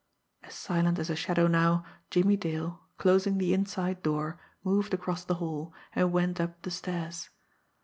As silent as a shadow now, Jimmie Dale, closing the inside door, moved across the hall, and went up the stairs.